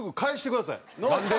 なんで？